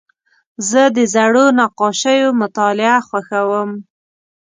زه د زړو نقاشیو مطالعه خوښوم.